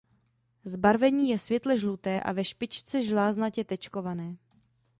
Zbarvení je světle žluté a ve špičce žláznatě tečkované.